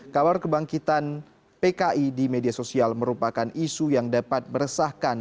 kabar kebangkitan pki di media sosial merupakan isu yang dapat meresahkan